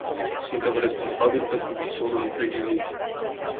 Suntem responsabili pentru viitorul întregii lumi.